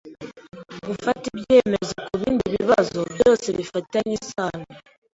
gufata ibyemezo ku bindi bibazo byose bifi tanye isano